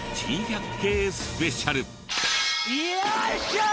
よいしょー！